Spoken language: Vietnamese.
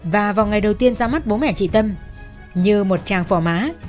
và vào ngày đầu tiên ra mắt bố mẹ chị tâm như một tràng phò má